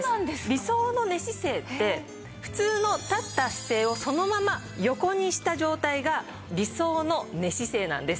理想の寝姿勢って普通の立った姿勢をそのまま横にした状態が理想の寝姿勢なんです。